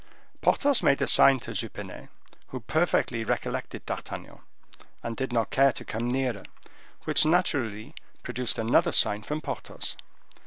Porthos made a sign to Jupenet, who perfectly recollected D'Artagnan, and did not care to come nearer; which naturally produced another sign from Porthos.